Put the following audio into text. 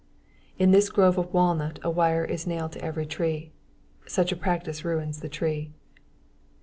In this grove of walnut a wire is nailed on every tree. Such a practice ruins the tree.